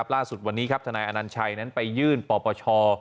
ล่าสุดวันนี้ทนายอานัญชัยไปยื่นปปช